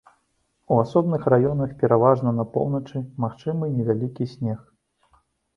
У асобных раёнах, пераважна па поўначы, магчымы невялікі снег.